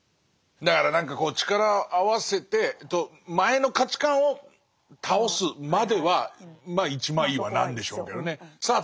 だから何か力を合わせて前の価値観を倒すまでは一枚岩なんでしょうけどねさあ